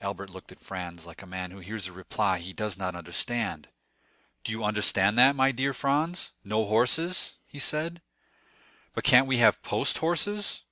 Albert looked at Franz like a man who hears a reply he does not understand. "Do you understand that, my dear Franz—no horses?" he said, "but can't we have post horses?"